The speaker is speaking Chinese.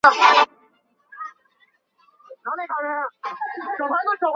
后在赴上海转入东吴大学法科毕业。